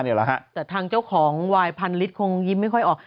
แต่ทางเจ้าของไวร์๑๐๐๐ลิตรคงยิ่มไม่ค่อยออก